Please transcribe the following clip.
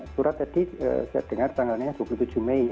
surat tadi saya dengar tanggalnya dua puluh tujuh mei